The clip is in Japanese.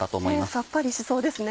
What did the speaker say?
さっぱりしそうですね。